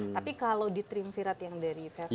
tapi kalau di triumvirat yang dari persiden